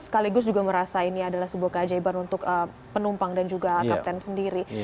sekaligus juga merasa ini adalah sebuah keajaiban untuk penumpang dan juga kapten sendiri